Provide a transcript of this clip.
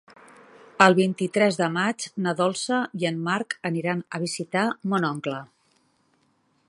El vint-i-tres de maig na Dolça i en Marc aniran a visitar mon oncle.